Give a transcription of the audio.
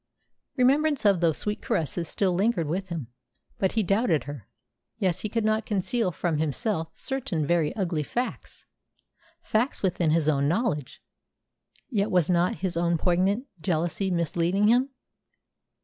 Remembrance of those sweet caresses still lingered with him. But he doubted her. Yes, he could not conceal from himself certain very ugly facts facts within his own knowledge. Yet was not his own poignant jealousy misleading him?